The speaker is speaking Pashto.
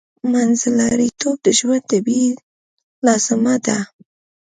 منځلاریتوب د مدني ژوند طبیعي لازمه ده